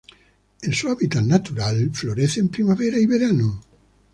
En su hábitat natural florece en primavera y verano.